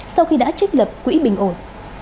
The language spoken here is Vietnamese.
sau khi đã trích lập quỹ bình ổn